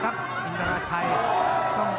แข่งซ้ายอื่น